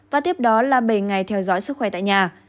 và tiếp đó là bảy ngày theo dõi sức khỏe tại nhà